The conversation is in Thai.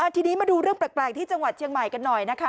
ทีนี้มาดูเรื่องแปลกที่จังหวัดเชียงใหม่กันหน่อยนะคะ